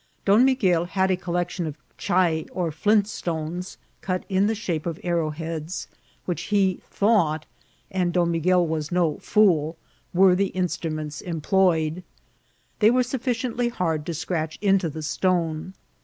Don Miguel had a col lection of chay or flint stones, cut in the shape of ar row heads, which he thought, and Don Miguel was no ibol, were the instruments employed. They were suf ficiently hard to scratch into the stone.